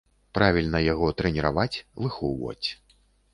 Правільна яго трэніраваць, выхоўваць.